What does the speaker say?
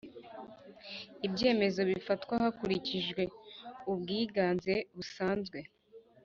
Ibyemezo bifatwa hakurikijwe ubwiganze busanzwe